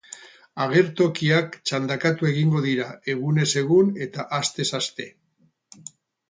Agertokiak txandakatu egingo dira, egunez egun eta astez aste.